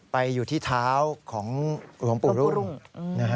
ไปอยู่ที่เท้าของหลวงปุรุง